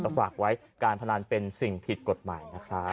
ฝากไว้การพนันเป็นสิ่งผิดกฎหมายนะครับ